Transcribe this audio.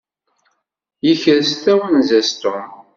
Yekres tawenza-s Tom.